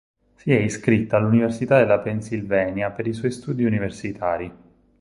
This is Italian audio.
Si è iscritta all'Università della Pennsylvania per i suoi studi universitari.